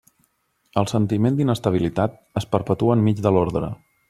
El sentiment d'inestabilitat es perpetua enmig de l'ordre.